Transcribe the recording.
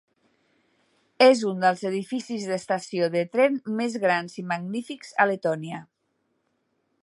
És un dels edificis d'estació de tren més grans i magnífics a Letònia.